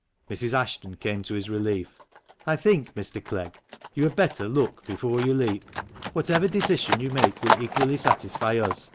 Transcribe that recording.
Mrs. Ashton came to his relief :" I think, Mr. Clegg, you had better 'look before you leap.' Whatever decision you make will equally satisfy us.